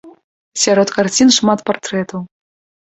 Сярод карцін шмат партрэтаў.